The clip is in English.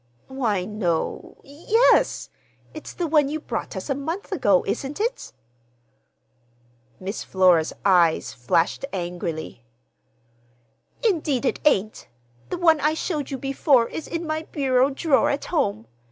"Why, no,—yes, it's the one you brought us a month ago, isn't it?" Miss Flora's eyes flashed angrily. "Indeed, it ain't! The one I showed you before is in my bureau drawer at home.